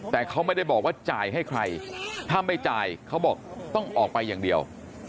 แต่เขาไม่ได้บอกว่าจ่ายให้ใครถ้าไม่จ่ายเขาบอกต้องออกไปอย่างเดียว